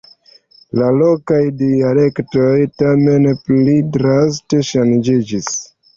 La lokaj dialektoj, tamen, pli draste ŝanĝiĝis.